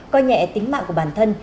coi nhẹ tính mạng của bản thân